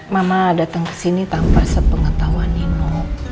mama datang kesini tanpa sepengetahuan nino